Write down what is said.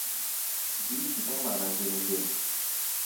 Bíí tiká ŋmana ŋgeŋzeŋ.